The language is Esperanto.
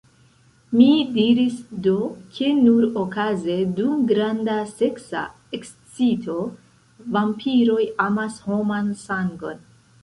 Mi diris do, ke nur okaze, dum granda seksa ekscito, vampiroj amas homan sangon.